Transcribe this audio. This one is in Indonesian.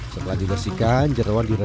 setelah diresikan jerawan direbus